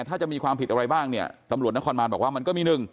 ถ้าจะมีความผิดอะไรบ้างตำรวจนะครบารบอกว่ามันก็มี๑